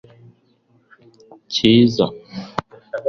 cyiza